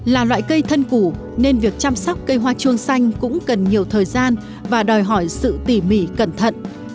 là loại cây thân củ nên việc chăm sóc cây hoa chuông xanh cũng cần nhiều thời gian và đòi hỏi sự tỉ mỉ cẩn thận